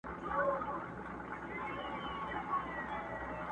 د جرګو ورته راتلله رپوټونه!.